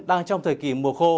đang trong thời kỳ mùa khô